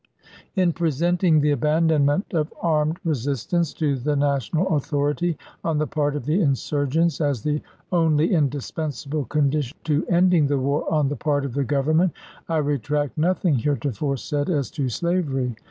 ... In presenting the abandonment of armed resistance to the national authority, on the part of the insurgents, as the only indispensable condition to ending the war on the part of the Government, I retract nothing heretofore said as to slavery.